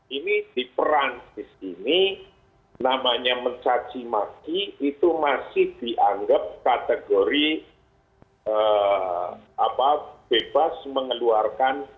ini di perancis ini namanya mencacimaki itu masih dianggap kategori bebas mengeluarkan